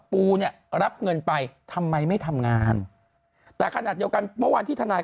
ปูเนี่ยรับเงินไปทำไมไม่ทำงานแต่ขนาดเดียวกันเมื่อวานที่ทนาย